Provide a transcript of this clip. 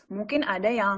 mungkin ada yang